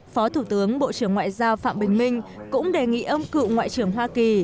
phó thủ tướng bộ trưởng ngoại giao phạm bình minh cũng đề nghị ông cựu ngoại trưởng hoa kỳ